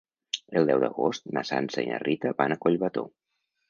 El deu d'agost na Sança i na Rita van a Collbató.